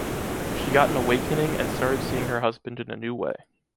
She got an awakening and starting seeing her husband in a new way.